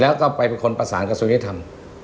แล้วก็ไปเป็นคนประสานกระทรวงยุทธรรม